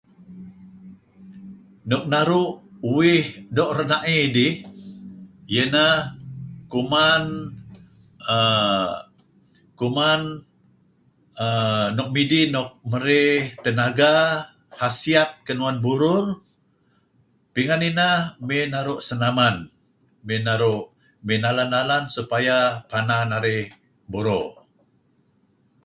Nuk naru' uih doo' rena'ey dih, iyeh ineh kuman err kuman err nuk midih nuk merey tenaga, khasiat kinuan burur, pingan ineh mey naru' senaman, mey naru' mey nalan-nalan supaya pana narih buro.